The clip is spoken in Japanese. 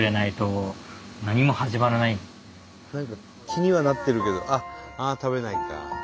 気にはなってるけどああ食べないか。